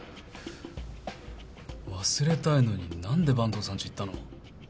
忘れたいのに何で坂東さんち行ったの？